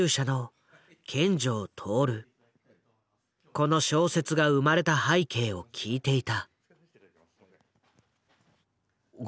この小説が生まれた背景を聞いていた。